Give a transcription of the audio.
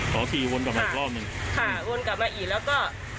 เขาขี่วนกลับมาอีกรอบหนึ่งค่ะวนกลับมาอีกแล้วก็